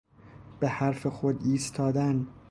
به حرف خود ایستادن